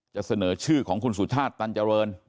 จะเสนอชื่อของคุณสุชาติตันเจริญ